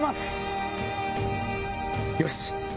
よし！